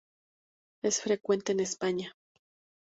Es frecuente en España.